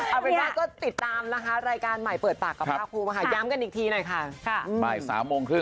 เอาเป็นไรก็ติดตามนะคะรายการใหม่เปิดปากกับภาคภูมิย้ำกันอีกทีหน่อยค่ะ